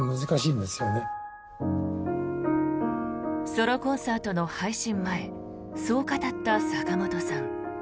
ソロコンサートの配信前そう語った坂本さん。